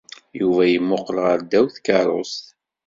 Yuba yemmuqqel ɣer ddaw tkeṛṛust.